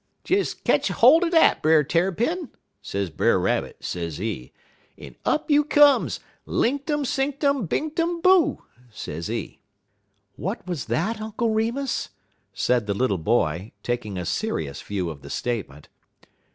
"'Des ketch holt er dat, Brer Tarrypin,' sez Brer Rabbit, sezee, 'en up you comes, linktum sinktum binktum boo!' sezee." "What was that, Uncle Remus?" said the little boy, taking a serious view of the statement.